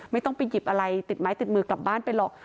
ไม่ต้องไปหยิบอะไรติดไม้ติดมือกลับบ้านไปหรอก